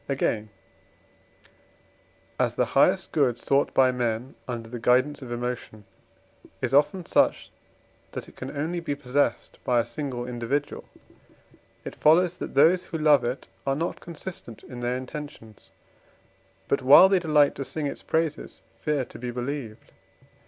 Again, as the highest good sought by men under the guidance of emotion is often such, that it can only be possessed by a single individual, it follows that those who love it are not consistent in their intentions, but, while they delight to sing its praises, fear to be believed.